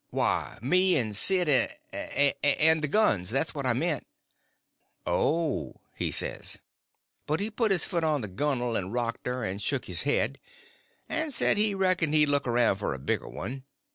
"Why, me and Sid, and—and—and the guns; that's what I mean." "Oh," he says. But he put his foot on the gunnel and rocked her, and shook his head, and said he reckoned he'd look around for a bigger one.